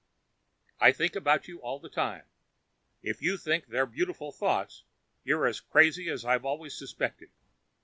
I think about you all the time. And if you think they're beautiful thoughts, you're as crazy as I've always suspected.